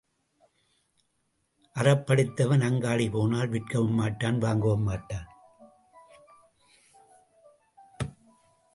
அறப்படித்தவன் அங்காடி போனால் விற்கவும் மாட்டான் வாங்கவும் மாட்டான்.